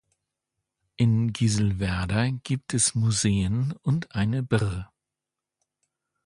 In Gieselwerder gibt es Museen und eine Br